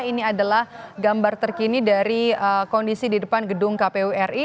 ini adalah gambar terkini dari kondisi di depan gedung kpu ri